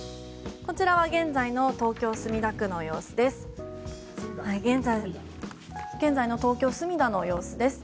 こちらは現在の東京・墨田の様子です。